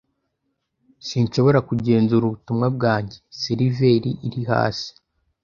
Sinshobora kugenzura ubutumwa bwanjye. Seriveri iri hasi.